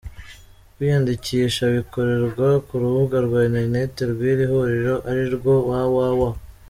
Kwiyandikisha bikorerwa ku rubuga rwa internet rw’iri huriro ari rwo www.